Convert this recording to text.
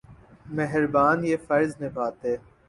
مہربان یہ فرض نبھاتے۔